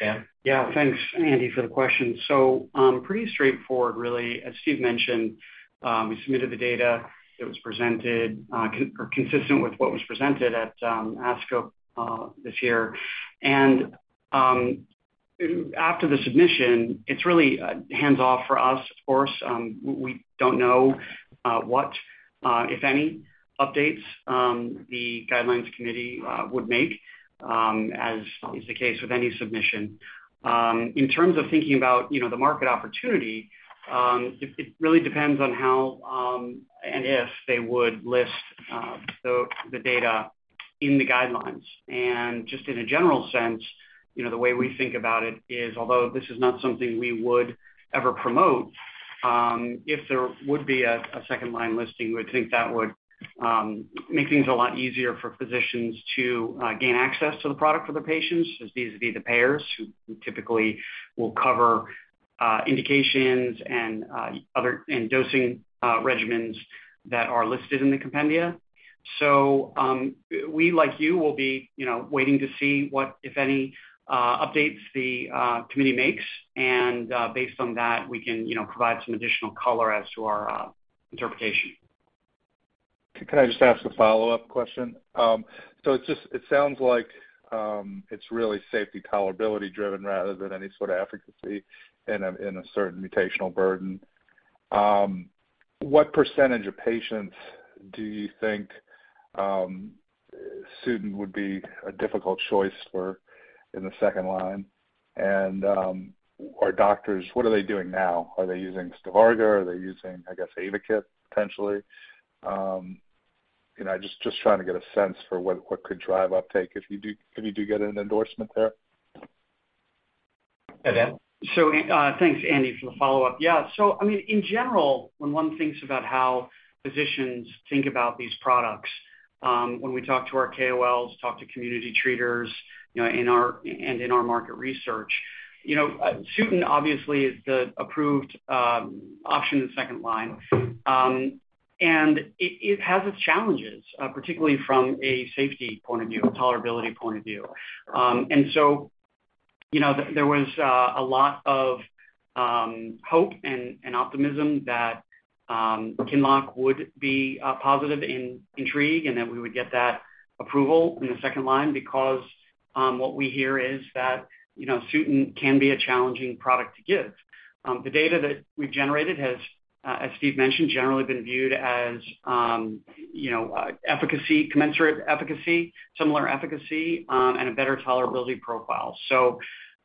Dan? Yeah. Thanks, Andy, for the question. Pretty straightforward really. As Steve mentioned, we submitted the data that was presented, consistent with what was presented at ASCO this year. After the submission, it's really hands off for us, of course. We don't know what if any updates the guidelines committee would make, as is the case with any submission. In terms of thinking about, you know, the market opportunity, it really depends on how and if they would list the data in the guidelines. Just in a general sense, you know, the way we think about it is, although this is not something we would ever promote, if there would be a second line listing, we would think that would make things a lot easier for physicians to gain access to the product for their patients, as these would be the payers who typically will cover indications and other and dosing regimens that are listed in the compendia. We, like you, will be, you know, waiting to see what, if any, updates the committee makes. Based on that, we can, you know, provide some additional color as to our interpretation. Can I just ask a follow-up question? So it just sounds like it's really safety tolerability driven rather than any sort of efficacy in a certain mutational burden. What percentage of patients do you think Sutent would be a difficult choice for in the second line? Our doctors, what are they doing now? Are they using Stivarga? Are they using, I guess, avapritinib potentially? You know, just trying to get a sense for what could drive uptake if you do get an endorsement there. Hi, Dan. Thanks, Andy, for the follow-up. Yeah. I mean, in general, when one thinks about how physicians think about these products, when we talk to our KOLs, talk to community treaters, you know, in our market research, you know, Sutent obviously is the approved option in second line. And it has its challenges, particularly from a safety point of view, tolerability point of view. You know, there was a lot of hope and optimism that QINLOCK would be positive in INTRIGUE, and that we would get that approval in the second line because what we hear is that, you know, Sutent can be a challenging product to give. The data that we've generated has, as Steve mentioned, generally been viewed as, you know, efficacy, commensurate efficacy, similar efficacy, and a better tolerability profile.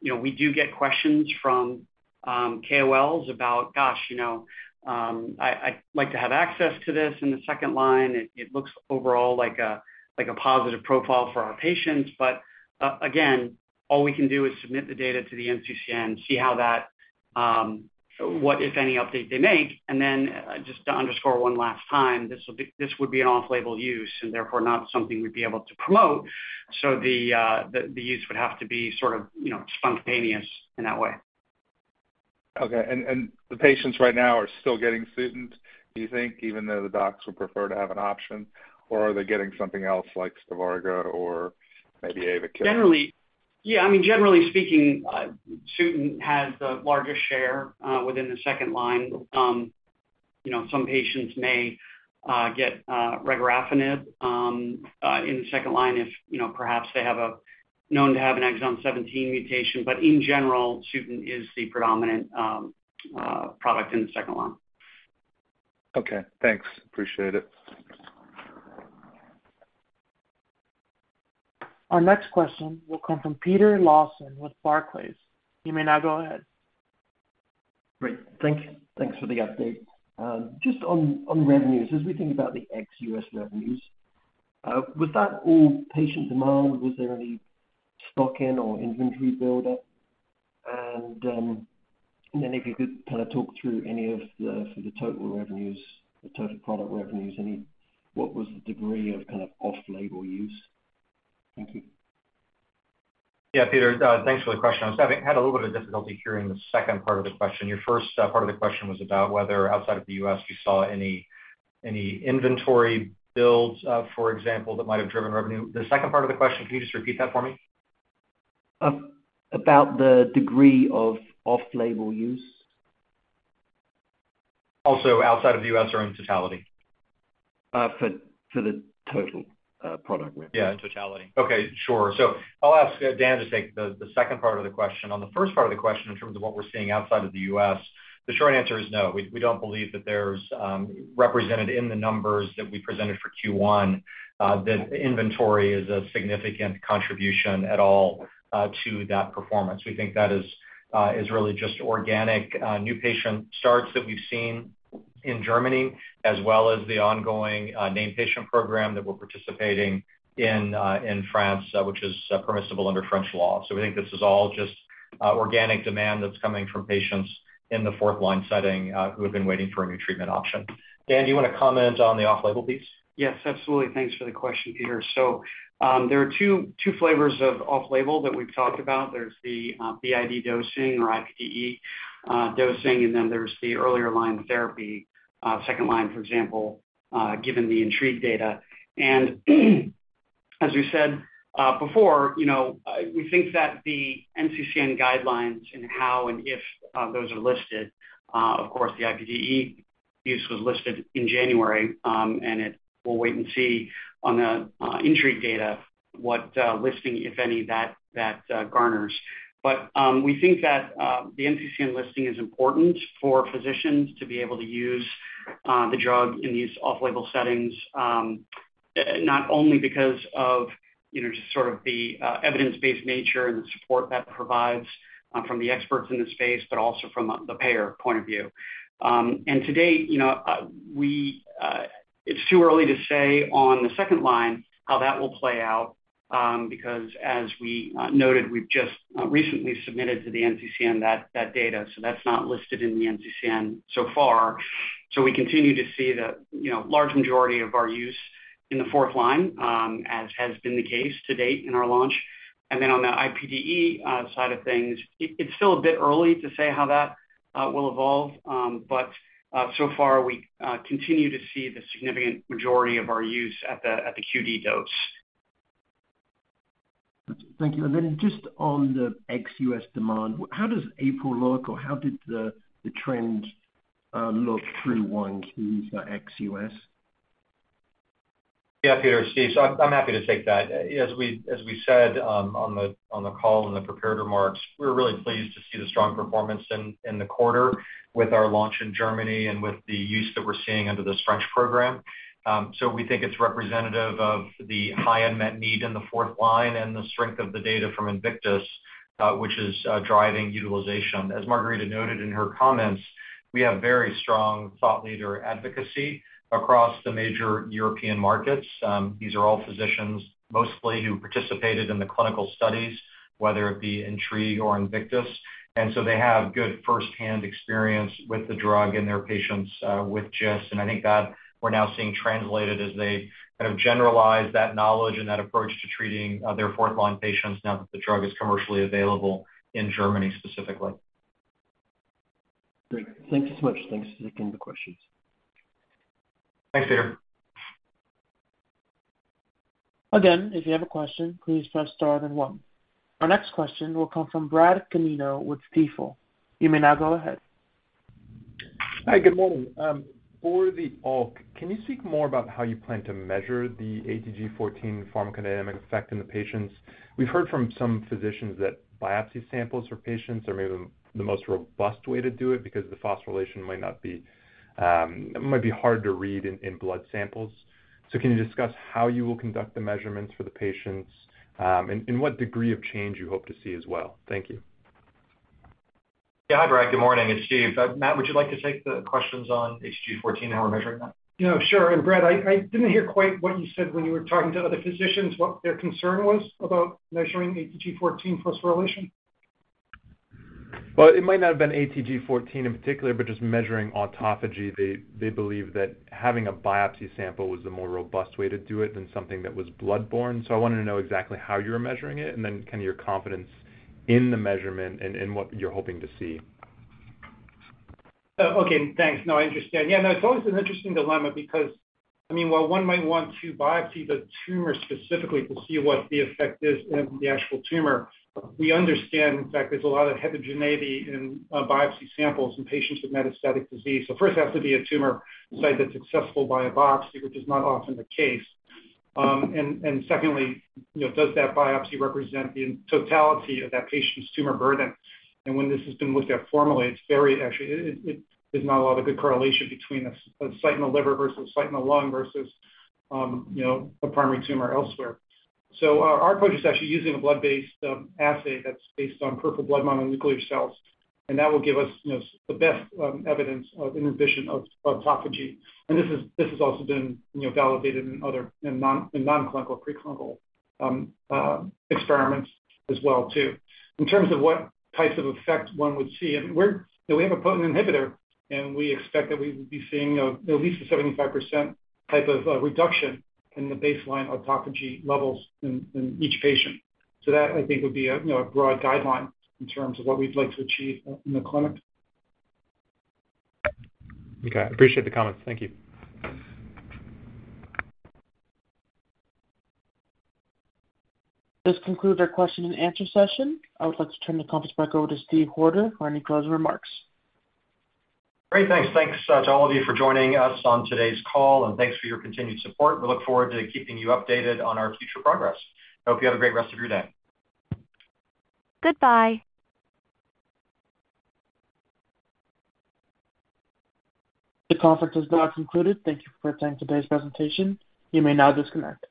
You know, we do get questions from KOLs about, gosh, you know, I'd like to have access to this in the second line. It looks overall like a positive profile for our patients. Again, all we can do is submit the data to the NCCN, see how that, what, if any, update they make. Then just to underscore one last time, this would be an off-label use and therefore not something we'd be able to promote. The use would have to be sort of, you know, spontaneous in that way. Okay. The patients right now are still getting Sutent, do you think, even though the docs would prefer to have an option? Or are they getting something else like Stivarga or maybe avapritinib? Generally speaking, Sutent has the largest share within the second line. You know, some patients may get regorafenib in the second line if, you know, perhaps they have a known exon 17 mutation. In general, Sutent is the predominant product in the second line. Okay. Thanks. Appreciate it. Our next question will come from Peter Lawson with Barclays. You may now go ahead. Great. Thank you. Thanks for the update. Just on revenues, as we think about the ex-U.S. revenues, was that all patient demand? Was there any stocking or inventory build-up? Then if you could kinda talk through for the total revenues, the total product revenues, what was the degree of kind of off-label use? Thank you. Yeah, Peter, thanks for the question. I had a little bit of difficulty hearing the second part of the question. Your first part of the question was about whether outside of the U.S. you saw any inventory builds, for example, that might have driven revenue. The second part of the question, can you just repeat that for me? about the degree of off-label use. Also outside of the U.S. or in totality? For the total product revenue. Yeah, in totality. Okay, sure. I'll ask Dan to take the second part of the question. On the first part of the question, in terms of what we're seeing outside of the U.S., the short answer is no. We don't believe that there's represented in the numbers that we presented for Q1 that inventory is a significant contribution at all to that performance. We think that is really just organic new patient starts that we've seen in Germany, as well as the ongoing named patient program that we're participating in in France, which is permissible under French law. We think this is all just organic demand that's coming from patients in the fourth line setting who have been waiting for a new treatment option. Dan, do you wanna comment on the off-label piece? Yes, absolutely. Thanks for the question, Peter. There are two flavors of off-label that we've talked about. There's the BID dosing or QD dosing, and then there's the earlier line therapy, second line, for example, given the INTRIGUE data. As we said before, you know, we think that the NCCN guidelines and how and if those are listed, of course, the QD use was listed in January, and we'll wait and see on the INTRIGUE data what listing, if any, that garners. We think that the NCCN listing is important for physicians to be able to use the drug in these off-label settings, not only because of, you know, just sort of the evidence-based nature and the support that provides from the experts in this space, but also from the payer point of view. To date, you know, it's too early to say on the second line how that will play out, because as we noted, we've just recently submitted to the NCCN that data, so that's not listed in the NCCN so far. We continue to see the, you know, large majority of our use in the fourth line, as has been the case to date in our launch. On the INTRIGUE side of things, it's still a bit early to say how that will evolve. So far, we continue to see the significant majority of our use at the QD dose. Thank you. Just on the ex-U.S. demand, how does April look or how did the trends look through 1Q for ex-U.S.? Peter, Steve. I'm happy to take that. As we said, on the call in the prepared remarks, we're really pleased to see the strong performance in the quarter with our launch in Germany and with the use that we're seeing under this French program. We think it's representative of the high unmet need in the fourth line and the strength of the data from INVICTUS, which is driving utilization. As Margarida noted in her comments, we have very strong thought leader advocacy across the major European markets. These are all physicians mostly who participated in the clinical studies, whether it be INTRIGUE or INVICTUS. They have good firsthand experience with the drug and their patients with GIST. I think that we're now seeing translated as they kind of generalize that knowledge and that approach to treating, their fourth line patients now that the drug is commercially available in Germany specifically. Great. Thank you so much. Thanks for taking the questions. Thanks, Peter. Again, if you have a question, please press star then one. Our next question will come from Bradley Canino with Stifel. You may now go ahead. Hi, good morning. For the ULK, can you speak more about how you plan to measure the ATG-14 pharmacodynamic effect in the patients? We've heard from some physicians that biopsy samples for patients are maybe the most robust way to do it because the phosphorylation might be hard to read in blood samples. Can you discuss how you will conduct the measurements for the patients, and what degree of change you hope to see as well? Thank you. Yeah. Hi, Brad. Good morning. It's Steve. Matt, would you like to take the questions on ATG-14 and how we're measuring that? Yeah, sure. Brad, I didn't hear quite what you said when you were talking to other physicians, what their concern was about measuring ATG-14 phosphorylation. Well, it might not have been ATG-14 in particular, but just measuring autophagy, they believe that having a biopsy sample was the more robust way to do it than something that was blood-borne. I wanted to know exactly how you're measuring it and then kind of your confidence in the measurement and what you're hoping to see. Oh, okay. Thanks. No, I understand. Yeah, no, it's always an interesting dilemma because, I mean, while one might want to biopsy the tumor specifically to see what the effect is in the actual tumor, we understand, in fact, there's a lot of heterogeneity in biopsy samples in patients with metastatic disease. So first it has to be a tumor site that's successful by a biopsy, which is not often the case. And secondly, you know, does that biopsy represent the totality of that patient's tumor burden? When this has been looked at formally, it's actually not a lot of good correlation between a site in the liver versus a site in the lung versus, you know, a primary tumor elsewhere. Our approach is actually using a blood-based assay that's based on peripheral blood mononuclear cells, and that will give us, you know, the best evidence of inhibition of autophagy. This has also been, you know, validated in other non-clinical pre-clinical experiments as well too. In terms of what types of effects one would see, I mean, you know, we have a potent inhibitor, and we expect that we would be seeing at least a 75% type of reduction in the baseline autophagy levels in each patient. That I think would be a, you know, a broad guideline in terms of what we'd like to achieve in the clinic. Okay. Appreciate the comments. Thank you. This concludes our question and answer session. I would like to turn the conference back over to Steve Hoerter for any closing remarks. Great. Thanks. Thanks, to all of you for joining us on today's call, and thanks for your continued support. We look forward to keeping you updated on our future progress. Hope you have a great rest of your day. Goodbye. The conference is now concluded. Thank you for attending today's presentation. You may now disconnect.